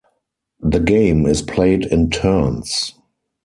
The game is played in turns.